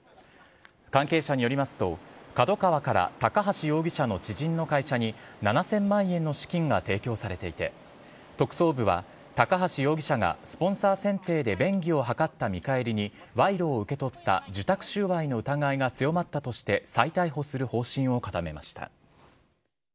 関係者によりますと、ＫＡＤＯＫＡＷＡから高橋容疑者の知人の会社に７０００万円の資金が提供されていて、特捜部は高橋容疑者がスポンサー選定で便宜を図った見返りに賄賂を受け取った受託収賄の疑いが強まったとして、再逮捕する方針を固めました。